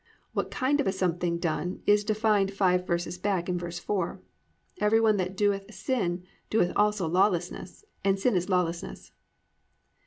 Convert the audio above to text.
What kind of a something done it is defined five verses back in verse 4. +"Everyone that doeth sin doeth also lawlessness; and sin is lawlessness."